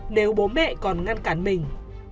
nếu bố mẹ còn ngăn cản mình